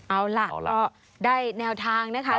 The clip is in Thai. เอาล่ะก็ได้แนวทางนะคะ